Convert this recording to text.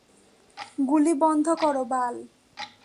গুলি বন্ধ কর, বাল!